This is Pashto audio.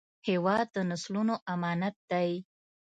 هېواد د نسلونو امانت دی.